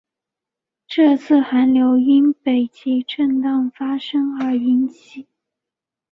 这次寒流因北极震荡发生而引起。